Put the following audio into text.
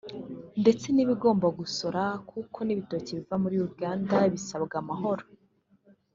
ndetse n’ibigomba gusora kuko n’ibitoki biva muri Uganda bisabwa amahoro